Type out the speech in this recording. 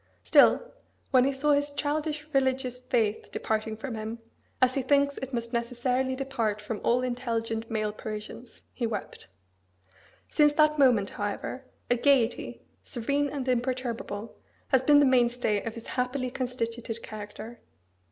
Still, when he saw his childish religious faith departing from him, as he thinks it must necessarily depart from all intelligent male Parisians, he wept. Since that moment, however, a gaiety, serene and imperturbable, has been the mainstay of his happily constituted character.